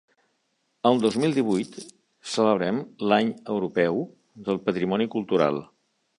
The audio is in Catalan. El dos mil divuit celebrem l'Any Europeu del Patrimoni Cultural.